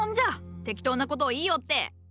適当なことを言いおって。